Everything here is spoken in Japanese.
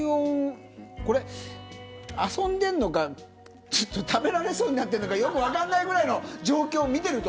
遊んでいるのか食べられそうになっているのかよく分からない状況を見ていた。